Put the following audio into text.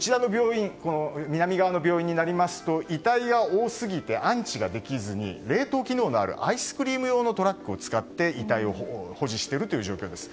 南側の病院になりますと遺体が多すぎて安置ができずに冷凍機能があるアイスクリーム用のトラックを使って遺体を保持している状況です。